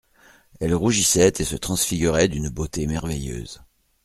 Elle rougissait et se transfigurait d'une beauté merveilleuse.